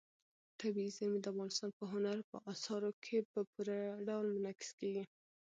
طبیعي زیرمې د افغانستان په هنر په اثار کې په پوره ډول منعکس کېږي.